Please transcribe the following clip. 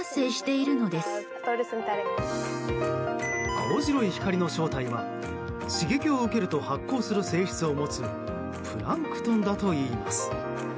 青白い光の正体は刺激を受けると発光する性質を持つプランクトンだといいます。